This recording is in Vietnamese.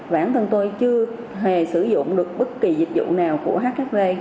bản thân tôi chưa hề sử dụng được bất kỳ dịch vụ nào của hkv